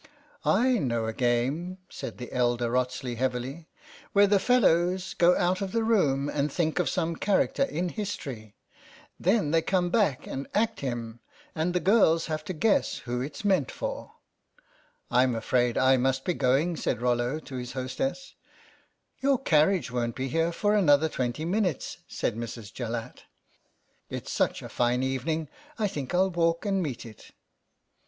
" I know a game," said the elder Wrotsley heavily, "where the fellows go out of the room, and think of some character in history ; then they come back and act him, and the girls have to guess who it's meant for." " Fm afraid I must be going," said Rollo to his hostess. 92 THE STRATEGIST "Your carriage won't be here for another twenty minutes," said Mrs. Jallatt. " It's such a fine evening I think Til walk and meet it."